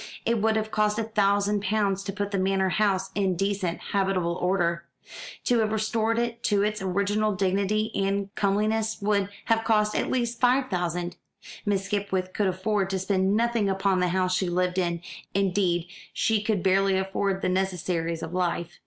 It would have cost a thousand pounds to put the manor house in decent habitable order. To have restored it to its original dignity and comeliness would have cost at least five thousand. Miss Skipwith could afford to spend nothing upon the house she lived in; indeed she could barely afford the necessaries of life.